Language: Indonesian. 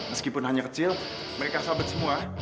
meskipun hanya kecil mereka sahabat semua